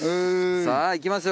さぁ行きますよ